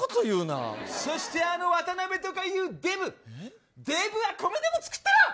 あの渡辺とかいうデブデブは米でも作ってろ。